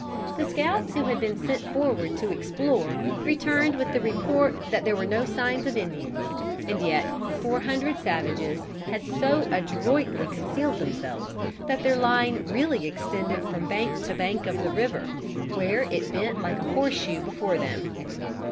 The scouts who had been sent forward to explore, returned with the report that there were no signs of Indians. And yet, four hundred savages had so adroitly concealed themselves, that their line really extended from bank to bank of the river, where it bent like a horseshoe before them.